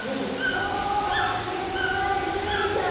どどんと迫力のあるイセエビちゃん。